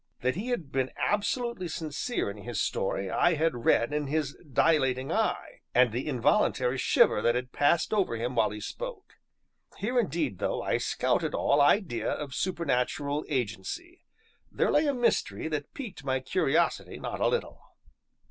That he had been absolutely sincere in his story I had read in his dilating eye and the involuntary shiver that had passed over him while he spoke. Here indeed, though I scouted all idea of supernatural agency, there lay a mystery that piqued my curiosity not a little.